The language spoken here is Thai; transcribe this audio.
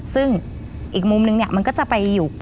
ซึ่งอีกมุมนึงเนี่ยมันก็จะไปอยู่